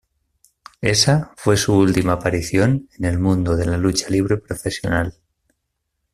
Ésa fue su última aparición en el mundo de la lucha libre profesional.